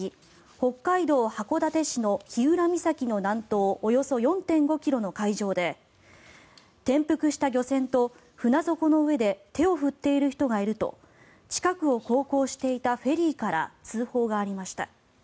北海道函館市の日浦岬の南東およそ４．５ｋｍの海上で転覆した漁船と船底の上で手を振っている人がいると近くを航行していたフェリーから通報がありました。